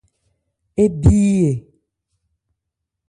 Ébí ɛ ?